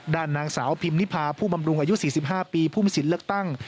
ด้านนางสาวพิมนิพาผู้บำรุงอายุ๔๕ปีผู้มีสิทธิ์เลือกตั้ง